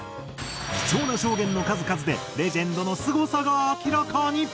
貴重な証言の数々でレジェンドのすごさが明らかに！